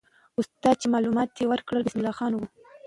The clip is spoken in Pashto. استاد چې معلومات یې ورکړل، بسم الله خان وو.